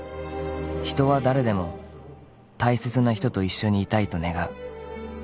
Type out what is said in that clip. ［人は誰でも大切な人と一緒にいたいと願う］